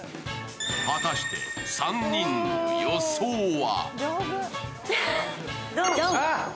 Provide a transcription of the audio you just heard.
果たして３人の予想は？